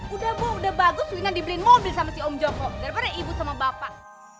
udah bu udah bagus winan dibeliin mobil sama si om joko daripada ibu sama bapak